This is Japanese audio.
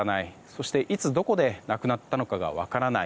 そして、いつどこで亡くなったのかが分からない